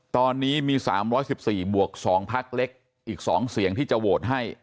ตอนนี้มี๓๑๔บวก๒พักเล็กอีก๒เสียงที่จะโหวตให้